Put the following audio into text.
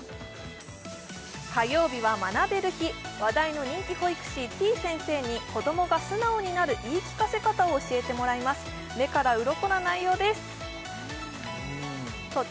火曜日は学べる日話題の人気保育士てぃ先生に子供が素直になる言い聞かせ方を教えてもらいます目からうろこな内容ですさあ